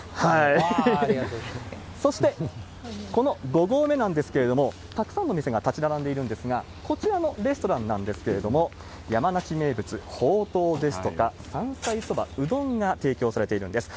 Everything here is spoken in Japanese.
そして、この５合目なんですけど、たくさんの店が立ち並んでいるんですが、こちらもレストランなんですけれども、山梨名物、ほうとうですとか山菜そば、うどんが提供されているんです。